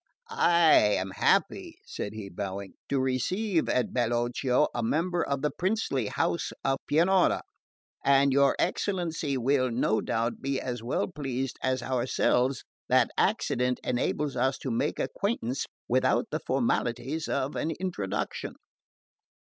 "I am happy," said he bowing, "to receive at Bellocchio a member of the princely house of Pianura; and your excellency will no doubt be as well pleased as ourselves that accident enables us to make acquaintance without the formalities of an introduction."